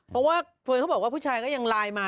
เพราะว่าเฟิร์นเขาบอกว่าผู้ชายก็ยังไลน์มา